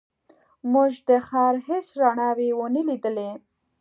موږ د ښار هېڅ رڼاوې ونه لیدلې.